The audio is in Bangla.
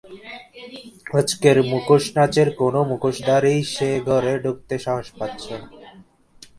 আজকের মুখোশনাচের কোনো মুখোশধারীই সে ঘরে ঢুকতে সাহস পাচ্ছে না।